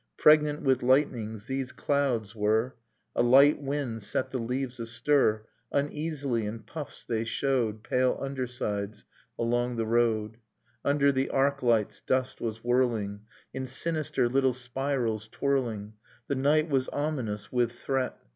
Pregnant with lightnings, these clouds were ...,; A light wind set the leaves astir ...' Uneasily, in puffs, they showed ' Pale undersides; along the road, ■ Under the arc lights, dust was whirling, ) In sinister little spirals twirling ...| The night was ominous with threat.